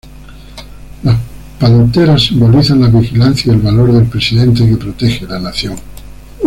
Las panteras simbolizan la vigilancia y el valor del presidente que protege la nación.